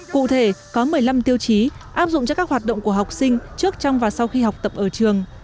cụ thể có một mươi năm tiêu chí áp dụng cho các hoạt động của học sinh trước trong và sau khi học tập ở trường